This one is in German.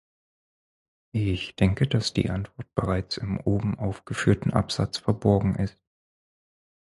Ich denke, dass die Antwort bereits im oben aufgeführten Absatz verborgen ist.